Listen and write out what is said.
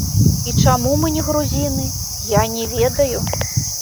І чаму мы не грузіны, я не ведаю?!